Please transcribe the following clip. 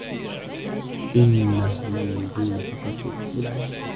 إنهم يريدون فقط الحصول على المتعة.